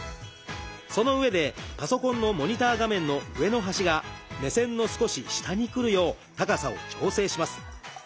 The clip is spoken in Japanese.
そのうえでパソコンのモニター画面の上の端が目線の少し下に来るよう高さを調整します。